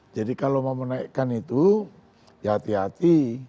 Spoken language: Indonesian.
jadi kalau mau menaikkan itu hati hati